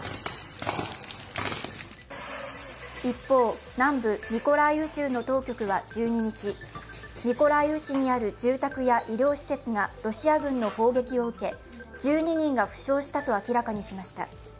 一方、南部ミコライウ州の当局は１２日、ミコライウ市にある住宅や医療施設がロシア軍の砲撃を受け、１２人が負傷したと明らかにしました。